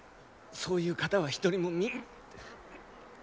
そういう方は一人も見えませぬ。